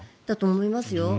だと思いますよ。